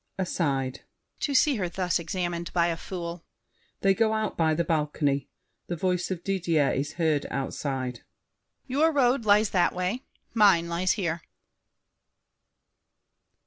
[Aside.] To see her thus examined by a fool! [They go out by the balcony. The voice of Didier is heard outside. Your road lies that way. Mine lies here!